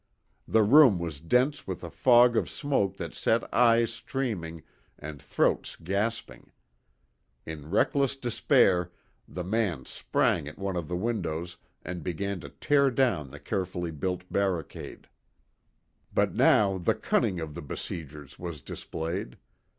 The room was dense with a fog of smoke that set eyes streaming and throats gasping. In reckless despair the man sprang at one of the windows and began to tear down the carefully built barricade. But now the cunning of the besiegers was displayed.